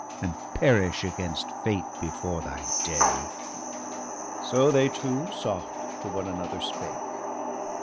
And perish, against fate, before thy day/ So they two soft to one another spake.